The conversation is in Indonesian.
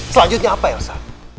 selanjutnya apa elsa